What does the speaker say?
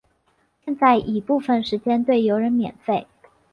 现在已部分时间对游人免费。